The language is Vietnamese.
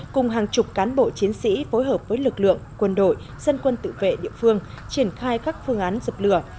cùng hàng chục cán bộ chiến sĩ phối hợp với lực lượng quân đội dân quân tự vệ địa phương triển khai các phương án dập lửa